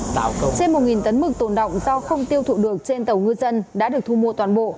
trên một tấn mực tồn động do không tiêu thụ được trên tàu ngư dân đã được thu mua toàn bộ